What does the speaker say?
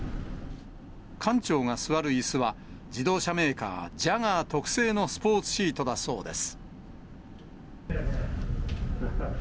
艦長が座るいすは、自動車メーカー、ジャガー特製のスポーツシートだそうです。